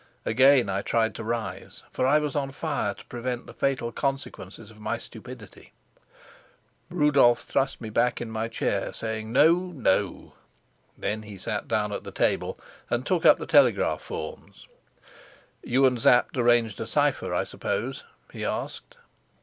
Again I tried to rise, for I was on fire to prevent the fatal consequences of my stupidity. Rudolf thrust me back in my chair, saying, "No, no." Then he sat down at the table and took up the telegraph forms. "You and Sapt arranged a cipher, I suppose?" he asked.